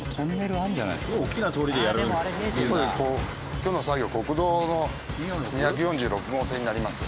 今日の作業は国道の２４６号線になります。